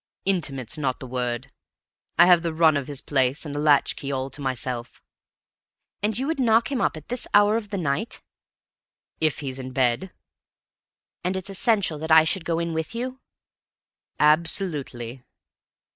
"Intimate's not the word. I have the run of his place and a latch key all to myself." "You would knock him up at this hour of the night?" "If he's in bed." "And it's essential that I should go in with you?" "Absolutely."